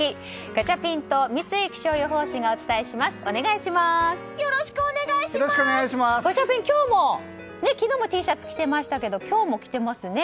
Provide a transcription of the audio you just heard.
ガチャピン、昨日もＴシャツ着てましたけど今日も着てますね。